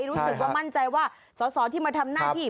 รู้สึกว่ามั่นใจว่าสอสอที่มาทำหน้าที่